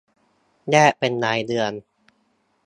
แยกเป็นรายเดือน